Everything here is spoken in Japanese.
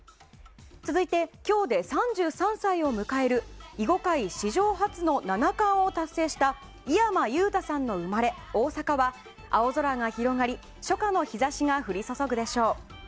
続いて今日で３３歳を迎える囲碁界史上初の７冠を達成した井山裕太さんの生まれ、大阪は青空が広がり初夏の日差しが降り注ぐでしょう。